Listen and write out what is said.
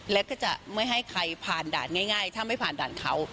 แล้วก็จะไม่ให้ใครผ่านด่านง่ายถ้าไม่ผ่านด่านเขา